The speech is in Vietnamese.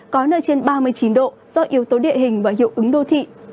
có nơi trên ba mươi chín độ do yếu tố địa hình và hiệu ứng đô thị